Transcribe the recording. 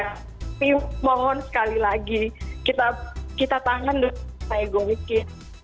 tapi mohon sekali lagi kita tahan dan saya goyuki